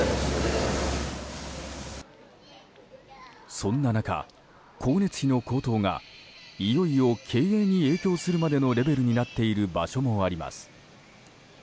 そんな中、光熱費の高騰がいよいよ経営に影響するまでのレベルになっている場所もあります。